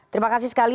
terima kasih sekali